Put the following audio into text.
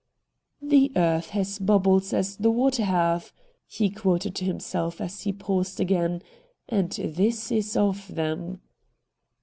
'" The earth has bubbles as the water hath," ' he quoted to himself as he paused again, ' and this is of them.'